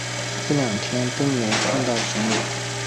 这两天都没碰到行李